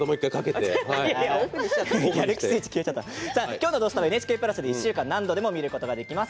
今日の「土スタ」はＮＨＫプラスで何度でも見ることができます。